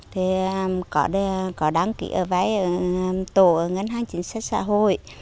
thì có đăng ký ở vai tổ ở ngân hàng chiến sách xã hội